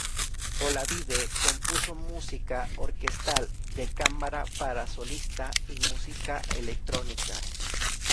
Olavide compuso música orquestal, de cámara, para solista, y música electrónica.